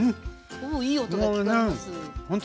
おおいい音が聞こえます。